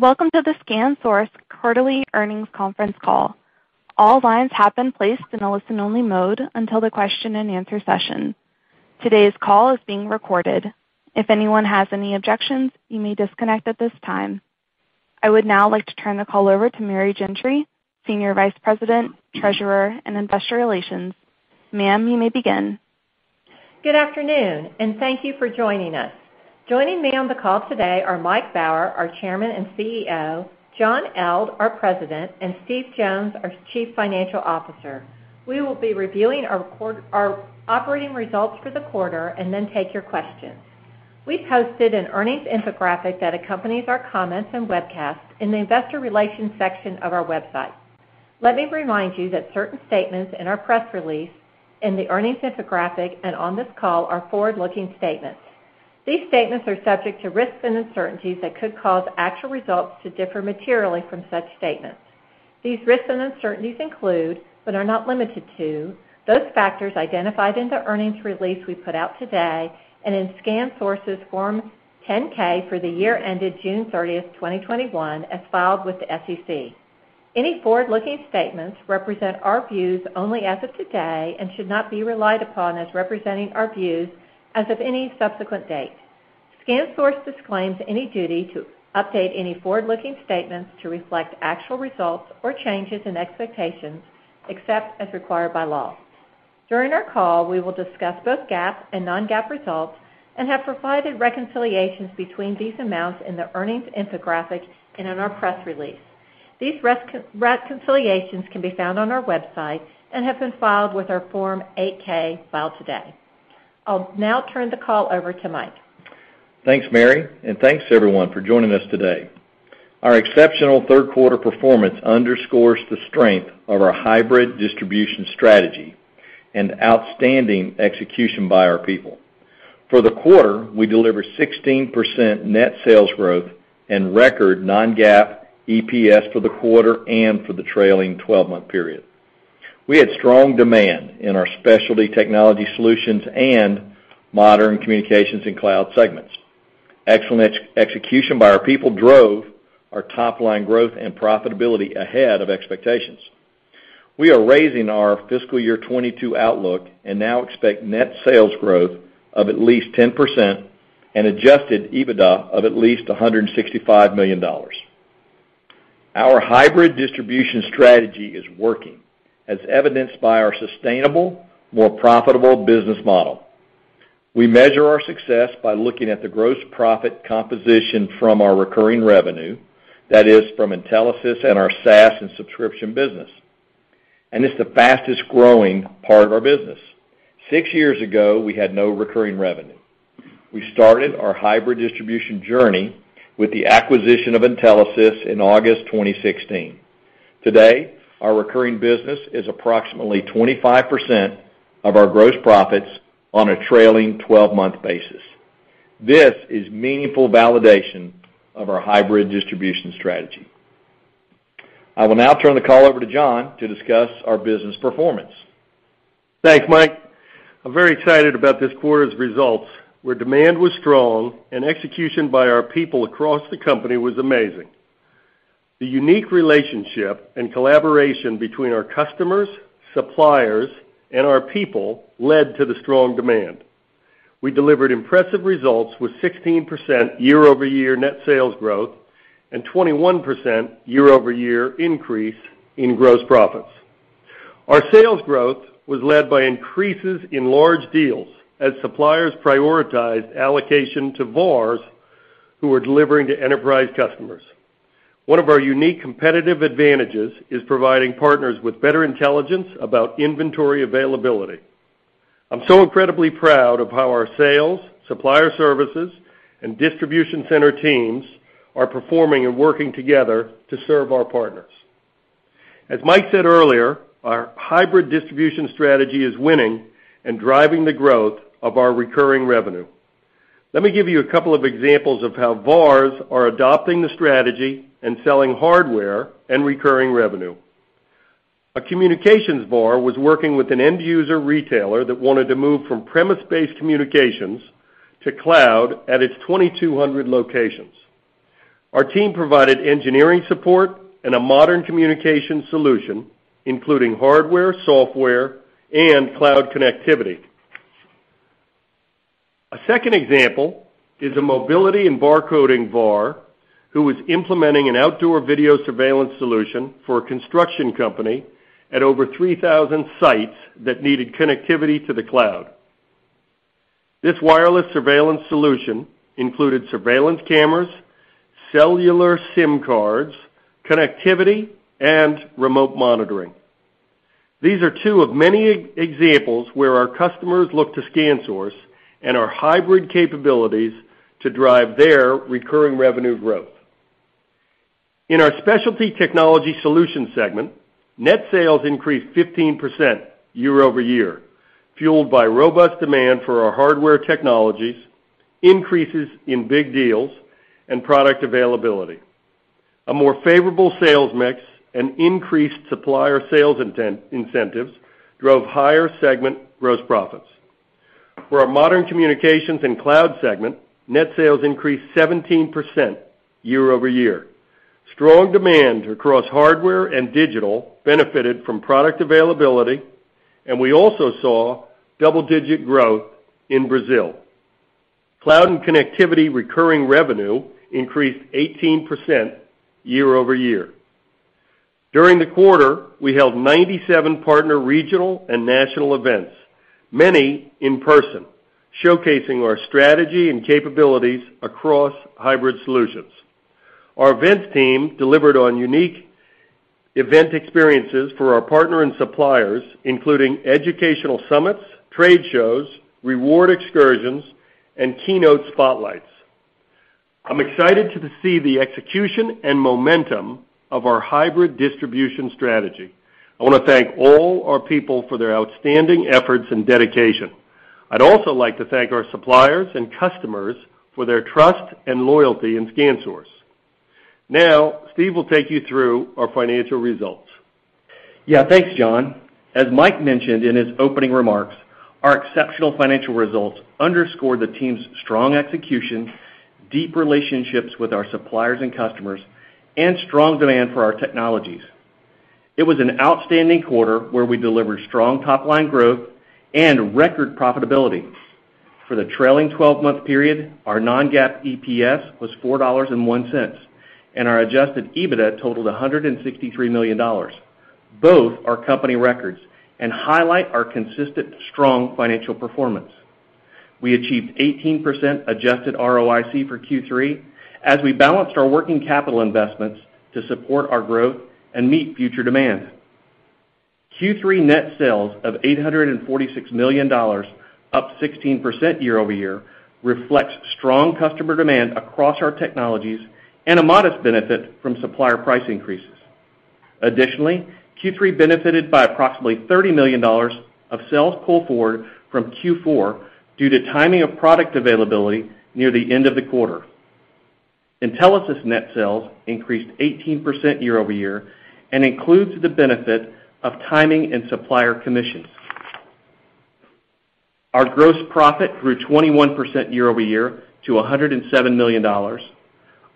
Welcome to the ScanSource quarterly earnings conference call. All lines have been placed in a listen-only mode until the question-and-answer session. Today's call is being recorded. If anyone has any objections, you may disconnect at this time. I would now like to turn the call over to Mary Gentry, Senior Vice President, Treasurer, and Investor Relations. Ma'am, you may begin. Good afternoon, and thank you for joining us. Joining me on the call today are Mike Baur, our Chairman and CEO, John Eldh, our President, and Steve Jones, our Chief Financial Officer. We will be reviewing our operating results for the quarter and then take your questions. We posted an earnings infographic that accompanies our comments and webcast in the investor relations section of our website. Let me remind you that certain statements in our press release, in the earnings infographic, and on this call are forward-looking statements. These statements are subject to risks and uncertainties that could cause actual results to differ materially from such statements. These risks and uncertainties include, but are not limited to, those factors identified in the earnings release we put out today and in ScanSource's Form 10-K for the year ended June 30th, 2021, as filed with the SEC. Any forward-looking statements represent our views only as of today and should not be relied upon as representing our views as of any subsequent date. ScanSource disclaims any duty to update any forward-looking statements to reflect actual results or changes in expectations except as required by law. During our call, we will discuss both GAAP and non-GAAP results and have provided reconciliations between these amounts in the earnings infographic and in our press release. These reconciliations can be found on our website and have been filed with our Form 8-K filed today. I'll now turn the call over to Mike. Thanks, Mary, and thanks everyone for joining us today. Our exceptional third quarter performance underscores the strength of our hybrid distribution strategy and outstanding execution by our people. For the quarter, we delivered 16% net sales growth and record non-GAAP EPS for the quarter and for the trailing 12 months period. We had strong demand in our Specialty Technology Solutions and Modern Communications & Cloud segments. Excellent execution by our people drove our top line growth and profitability ahead of expectations. We are raising our fiscal year 2022 outlook and now expect net sales growth of at least 10% and adjusted EBITDA of at least $165 million. Our hybrid distribution strategy is working, as evidenced by our sustainable, more profitable business model. We measure our success by looking at the gross profit composition from our recurring revenue, that is, from Intelisys and our SaaS and subscription business. It's the fastest-growing part of our business. Six years ago, we had no recurring revenue. We started our hybrid distribution journey with the acquisition of Intelisys in August 2016. Today, our recurring business is approximately 25% of our gross profits on a trailing 12 months basis. This is meaningful validation of our hybrid distribution strategy. I will now turn the call over to John to discuss our business performance. Thanks, Mike. I'm very excited about this quarter's results, where demand was strong and execution by our people across the company was amazing. The unique relationship and collaboration between our customers, suppliers, and our people led to the strong demand. We delivered impressive results with 16% year-over-year net sales growth and 21% year-over-year increase in gross profits. Our sales growth was led by increases in large deals as suppliers prioritized allocation to VARs who are delivering to enterprise customers. One of our unique competitive advantages is providing partners with better intelligence about inventory availability. I'm so incredibly proud of how our sales, supplier services, and distribution center teams are performing and working together to serve our partners. As Mike said earlier, our hybrid distribution strategy is winning and driving the growth of our recurring revenue. Let me give you a couple of examples of how VARs are adopting the strategy and selling hardware and recurring revenue. A communications VAR was working with an end user retailer that wanted to move from premises-based communications to cloud at its 2,200 locations. Our team provided engineering support and a modern communication solution, including hardware, software, and cloud connectivity. A second example is a mobility and barcoding VAR who was implementing an outdoor video surveillance solution for a construction company at over 3,000 sites that needed connectivity to the cloud. This wireless surveillance solution included surveillance cameras, cellular SIM cards, connectivity, and remote monitoring. These are two of many examples where our customers look to ScanSource and our hybrid capabilities to drive their recurring revenue growth. In our Specialty Technology Solutions segment, net sales increased 15% year-over-year, fueled by robust demand for our hardware technologies, increases in big deals, and product availability. A more favorable sales mix and increased supplier sales incentives drove higher segment gross profits. For our Modern Communications & Cloud segment, net sales increased 17% year-over-year. Strong demand across hardware and digital benefited from product availability, and we also saw double-digit growth in Brazil. Cloud and connectivity recurring revenue increased 18% year-over-year. During the quarter, we held 97 partner regional and national events, many in person, showcasing our strategy and capabilities across hybrid solutions. Our events team delivered on unique event experiences for our partner and suppliers, including educational summits, trade shows, reward excursions, and keynote spotlights. I'm excited to see the execution and momentum of our hybrid distribution strategy. I want to thank all our people for their outstanding efforts and dedication. I'd also like to thank our suppliers and customers for their trust and loyalty in ScanSource. Now, Steve will take you through our financial results. Yes. Thanks, John. As Mike mentioned in his opening remarks, our exceptional financial results underscore the team's strong execution, deep relationships with our suppliers and customers, and strong demand for our technologies. It was an outstanding quarter where we delivered strong top-line growth and record profitability. For the trailing 12 months period, our non-GAAP EPS was $4.01, and our adjusted EBITDA totaled $163 million. Both are company records and highlight our consistent strong financial performance. We achieved 18% adjusted ROIC for Q3 as we balanced our working capital investments to support our growth and meet future demand. Q3 net sales of $846 million, up 16% year-over-year, reflects strong customer demand across our technologies and a modest benefit from supplier price increases. Additionally, Q3 benefited by approximately $30 million of sales pull forward from Q4 due to timing of product availability near the end of the quarter. Intelisys net sales increased 18% year-over-year and includes the benefit of timing and supplier commissions. Our gross profit grew 21% year-over-year to $107 million.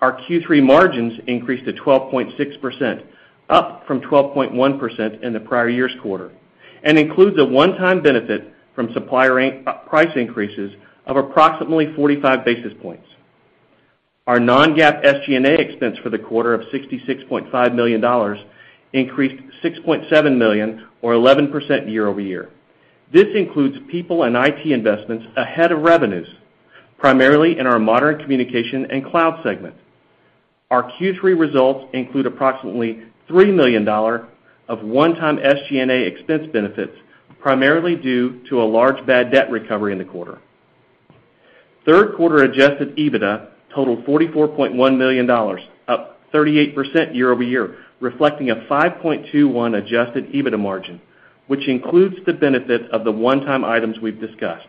Our Q3 margins increased to 12.6%, up from 12.1% in the prior year's quarter, and includes a one-time benefit from supplier and price increases of approximately 45 basis points. Our non-GAAP SG&A expense for the quarter of $66.5 million increased $6.7 million or 11% year-over-year. This includes people and IT investments ahead of revenues, primarily in our Modern Communications & Cloud segment. Our Q3 results include approximately $3 million of one-time SG&A expense benefits, primarily due to a large bad debt recovery in the quarter. Q3 Adjusted EBITDA totaled $44.1 million, up 38% year-over-year, reflecting a 5.21 Adjusted EBITDA margin, which includes the benefit of the one-time items we've discussed.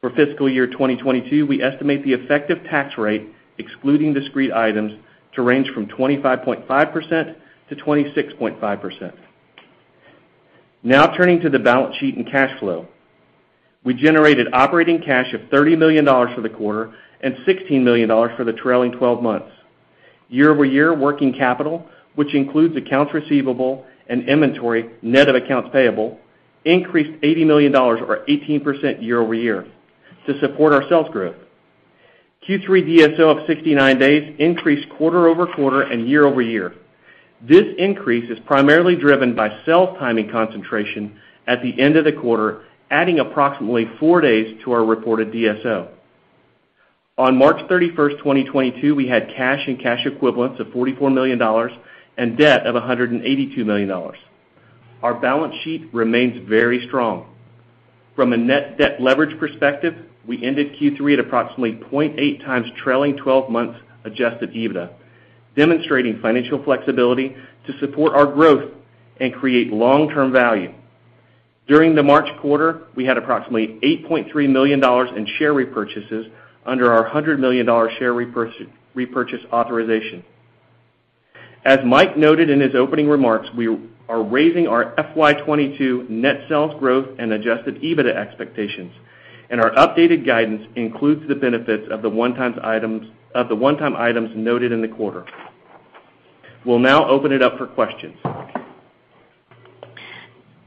For fiscal year 2022, we estimate the effective tax rate, excluding discrete items, to range from 25.5%-26.5%. Now turning to the balance sheet and cash flow. We generated operating cash of $30 million for the quarter and $16 million for the trailing 12 months. Year-over-year working capital, which includes accounts receivable and inventory net of accounts payable, increased $80 million or 18% year-over-year to support our sales growth. Q3 DSO of 69 days increased quarter-over-quarter and year-over-year. This increase is primarily driven by sales timing concentration at the end of the quarter, adding approximately four days to our reported DSO. On March 31st, 2022, we had cash and cash equivalents of $44 million and debt of $182 million. Our balance sheet remains very strong. From a net debt leverage perspective, we ended Q3 at approximately 0.8x trailing 12 months Adjusted EBITDA, demonstrating financial flexibility to support our growth and create long-term value. During the March quarter, we had approximately $8.3 million in share repurchases under our $100 million share repurchase authorization. As Mike noted in his opening remarks, we are raising our FY 2022 net sales growth and adjusted EBITDA expectations, and our updated guidance includes the benefits of the one-time items noted in the quarter. We'll now open it up for questions.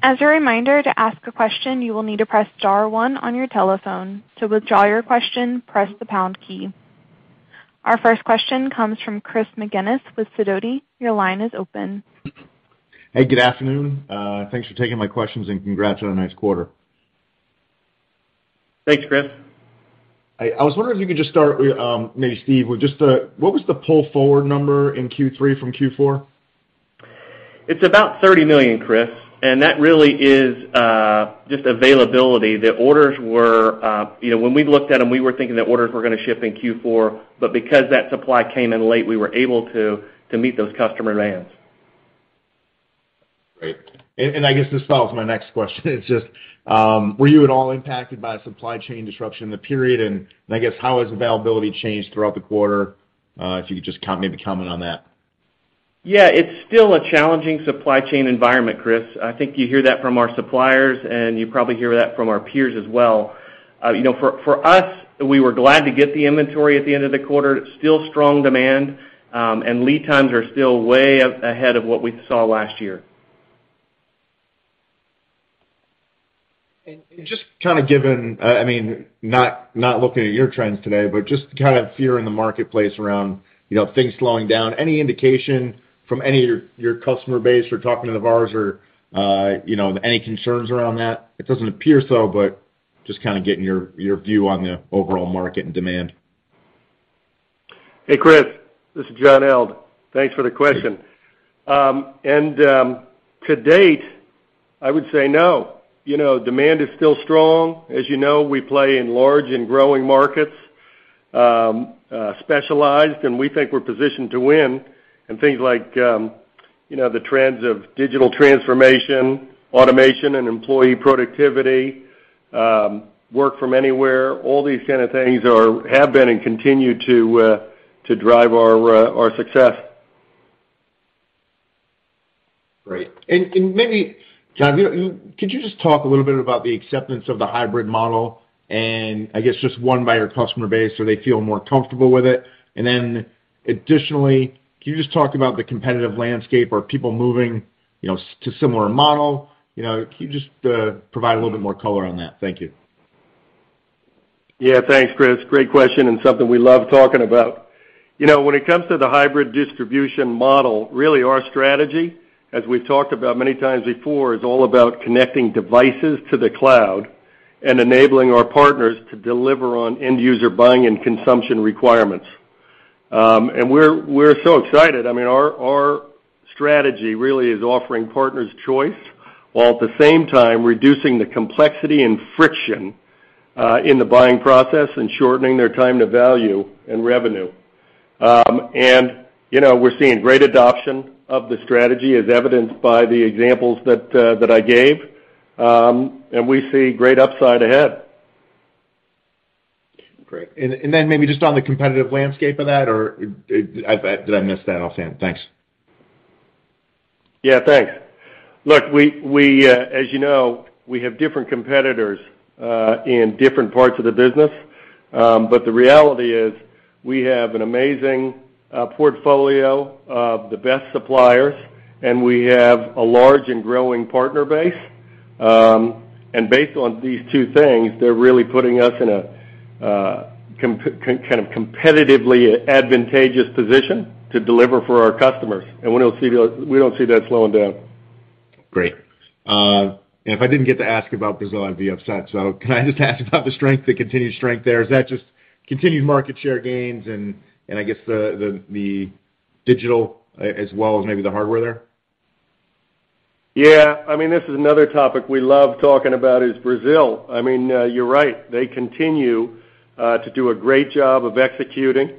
As a reminder, to ask a question, you will need to press star one on your telephone. To withdraw your question, press the pound key. Our first question comes from Chris McGinnis with Sidoti. Your line is open. Hey, good afternoon. Thanks for taking my questions, and congrats on a nice quarter. Thanks, Chris. I was wondering if you could just start with, maybe Steve, with just the what was the pull forward number in Q3 from Q4? It's about $30 million, Chris, and that really is just availability. The orders were when we looked at them, we were thinking the orders were going to ship in Q4, but because that supply came in late, we were able to meet those customer demands. Great. This follows my next question. It's just, were you at all impacted by supply chain disruption in the period? How has availability changed throughout the quarter? If you could just maybe comment on that. Yes. It's still a challenging supply chain environment, Chris. I think you hear that from our suppliers, and you probably hear that from our peers as well. For us, we were glad to get the inventory at the end of the quarter. Still strong demand, and lead times are still way up ahead of what we saw last year. Just given, not looking at your trends today, but just fear in the marketplace around things slowing down. Any indication from any of your customer base or talking to the VARs or any concerns around that? It doesn't appear so, but just getting your view on the overall market and demand. Hey, Chris, this is John Eldh. Thanks for the question. To date, I would say no. Demand is still strong. As you know, we play in large and growing markets, specialized, and we think we're positioned to win in things like the trends of digital transformation, automation and employee productivity, work from anywhere. All these things have been and continue to drive our success. Great. John, could you just talk a little bit about the acceptance of the hybrid model and just won by your customer base, so they feel more comfortable with it? Additionally, can you just talk about the competitive landscape? Are people moving to similar model? Can you just provide a little bit more color on that? Thank you. Yes. Thanks, Chris. Great question, and something we love talking about. When it comes to the hybrid distribution model, really our strategy, as we've talked about many times before, is all about connecting devices to the cloud and enabling our partners to deliver on end user buying and consumption requirements. We're so excited. Our strategy really is offering partners choice while at the same time reducing the complexity and friction in the buying process and shortening their time to value and revenue. We're seeing great adoption of the strategy as evidenced by the examples that I gave, and we see great upside ahead. Great. Just on the competitive landscape of that or did I miss that? I'll stand. Thanks. Yes, thanks. Look, as you know, we have different competitors in different parts of the business, but the reality is we have an amazing portfolio of the best suppliers, and we have a large and growing partner base. Based on these two things, they're really putting us in a competitively advantageous position to deliver for our customers, and we don't see that slowing down. Great. If I didn't get to ask about Brazil, I'd be upset. Can I just ask about the strength, the continued strength there? Is that just continued market share gains and I guess the digital as well as maybe the hardware there? Yes. This is another topic we love talking about is Brazil. You're right. They continue to do a great job of executing.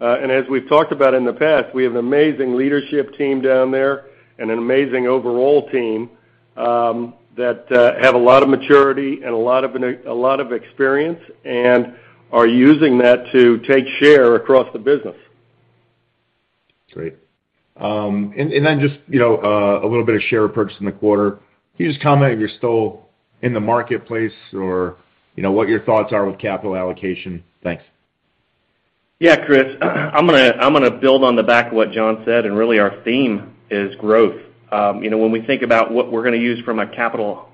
As we've talked about in the past, we have an amazing leadership team down there and an amazing overall team that have a lot of maturity and a lot of experience and are using that to take share across the business. Great. Just a little bit of share repurchase in the quarter. Can you just comment if you're still in the market or what your thoughts are with capital allocation? Thanks. Yes, Chris. I'm going to build on the back of what John said, and really our theme is growth. When we think about what we're going to use from our capital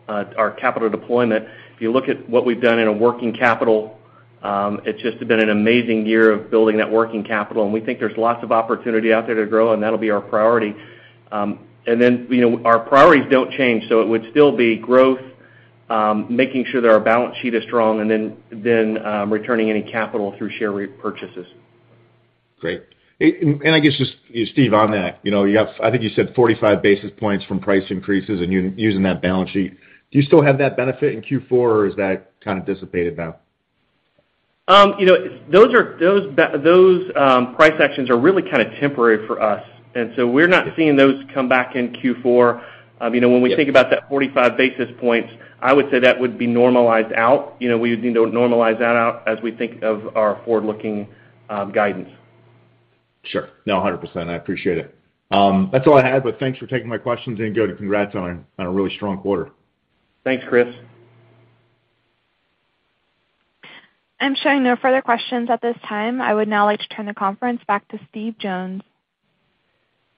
deployment, if you look at what we've done in a working capital, it's just been an amazing year of building that working capital, and we think there's lots of opportunity out there to grow, and that'll be our priority. Then, our priorities don't change, it would still be growth, making sure that our balance sheet is strong, and then returning any capital through share repurchases. Great. Steve, on that, you have, I think you said 45 basis points from price increases and using that balance sheet. Do you still have that benefit in Q4, or is that dissipated now? Those price actions are really temporary for us. We're not seeing those come back in Q4. When we think about that 45 basis points, I would say that would be normalized out. We would need to normalize that out as we think of our forward-looking guidance. Sure. 100%. I appreciate it. That's all I had, but thanks for taking my questions. Congrats on a really strong quarter. Thanks, Chris. I'm showing no further questions at this time. I would now like to turn the conference back to Steve Jones.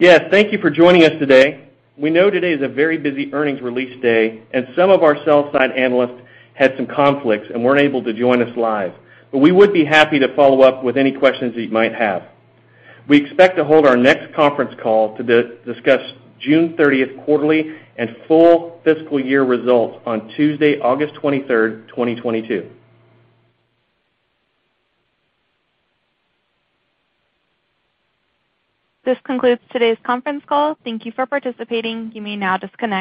Thank you for joining us today. We know today is a very busy earnings release day, and some of our sell-side analysts had some conflicts and weren't able to join us live. We would be happy to follow up with any questions that you might have. We expect to hold our next conference call to discuss June 30th quarterly and full fiscal year results on Tuesday, August 23rd, 2022. This concludes today's conference call. Thank you for participating. You may now disconnect.